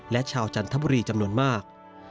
และชาวจันทบุรีจำนวนมาก